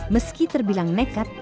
meski terbilang nekat